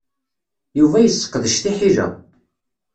Yuba yesseqdec tiḥila.